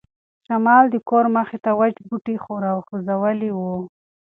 شمال د کور مخې ته وچ بوټي خوځولي وو.